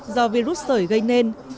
do virus sởi gây nên